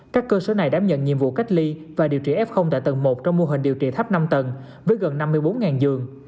các cơ sở này đảm nhận nhiệm vụ cách ly và điều trị f tại tầng một trong mô hình điều trị thấp năm tầng với gần năm mươi bốn giường